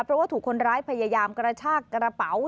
เพราะว่าถูกคนร้ายพยายามกระชากกระเป๋า